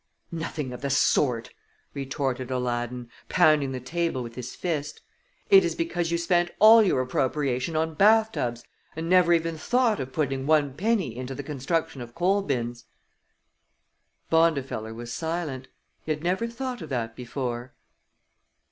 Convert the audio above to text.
"Nothing of the sort!" retorted Aladdin, pounding the table with his fist. "It is because you spent all your appropriation on bath tubs and never even thought of putting one penny into the construction of coal bins." Bondifeller was silent. He had never thought of that before.